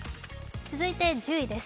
続いて１０位です。